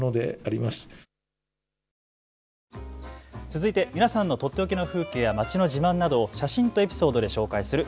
続いて皆さんのとっておきの風景や街の自慢などを写真とエピソードで紹介する＃